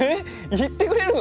言ってくれるの？